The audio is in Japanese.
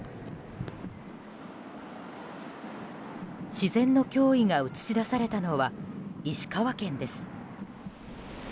自然の驚異が映し出されたのは石川県です。